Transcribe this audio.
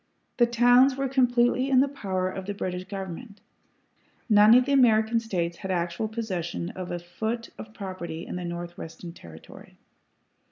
The towns were completely in the power of the British government; none of the American States had actual possession of a foot of property in the Northwestern Territory.